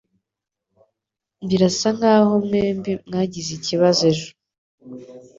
Birasa nkaho mwembi mwagize ikibazo ejo